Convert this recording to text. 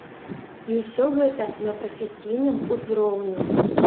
І ўсё гэта на прафесійным узроўні.